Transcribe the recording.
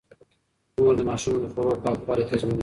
مور د ماشوم د خوړو پاکوالی تضمينوي.